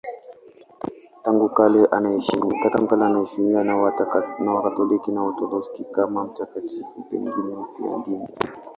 Tangu kale anaheshimiwa na Wakatoliki na Waorthodoksi kama mtakatifu, pengine mfiadini.